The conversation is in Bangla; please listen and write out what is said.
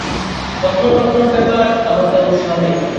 স্বপ্নটপ্নর ব্যাপারে আমার তেমন উৎসাহ নেই।